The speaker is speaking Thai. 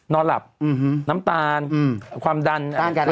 นอนหลับน้ำตาลความดัน